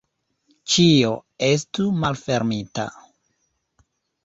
Ĉio estu malfermita.